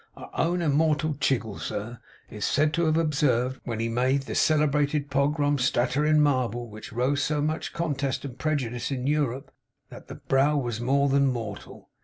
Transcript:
Our own immortal Chiggle, sir, is said to have observed, when he made the celebrated Pogram statter in marble, which rose so much con test and preju dice in Europe, that the brow was more than mortal.